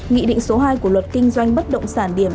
nghị định số hai của luật kinh doanh bất động sản điểm